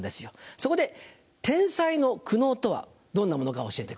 そこで天才の苦悩とはどんなものか教えてください。